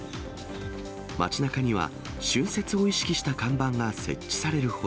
街なかには、春節を意識した看板が設置されるほど。